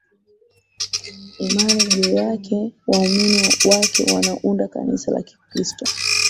Imani juu yake Waumini wake wanaunda Kanisa la Kikristo